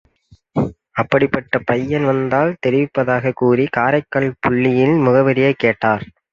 அப்படிப்பட்ட பையன் வந்தால் தெரிவிப்பதாகக் கூறி, காரைக்கால் புள்ளியின் முகவரியைக் கேட்டார்.